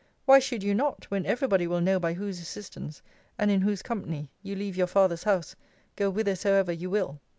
Why should you not, when every body will know by whose assistance, and in whose company, you leave your father's house, go whithersoever you will?